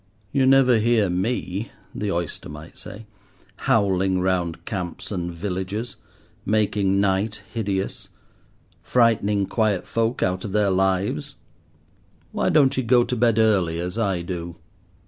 "You never hear me," the oyster might say, "howling round camps and villages, making night hideous, frightening quiet folk out of their lives. Why don't you go to bed early, as I do?